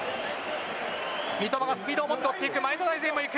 三笘がスピードを持って追っていく。